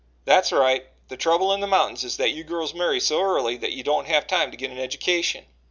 "That's right. The trouble in the mountains is that you girls marry so early that you don't have time to get an education."